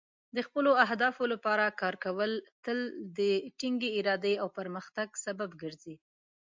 د خپلو اهدافو لپاره کار کول تل د ټینګې ارادې او پرمختګ سبب کیږي.